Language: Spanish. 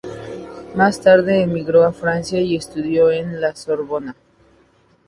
Más tarde emigró a Francia y estudió en La Sorbona.